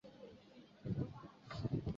阿第伦达克山脉之间。